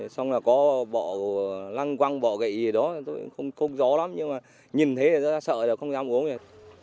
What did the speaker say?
xong là có bọ lăng quăng bọ gậy gì đó không gió lắm nhưng mà nhìn thế là sợ rồi không dám uống gì